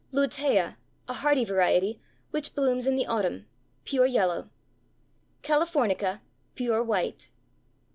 Lutea, a hardy variety, which blooms in the autumn; pure yellow. Calafornica, pure white.